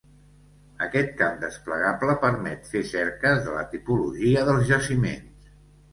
Aquest camp desplegable permet fer cerques de la tipologia dels jaciments.